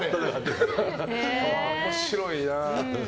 面白いな。